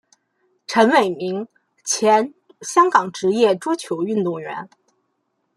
陈伟明前香港职业桌球运动员。